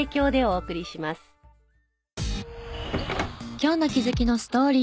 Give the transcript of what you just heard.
今日の気づきのストーリー。